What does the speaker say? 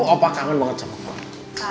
opa kangen banget sama kamu